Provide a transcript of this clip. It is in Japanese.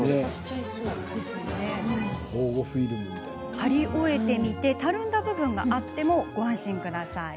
張り終えてみてたるんだ部分があってもご安心ください。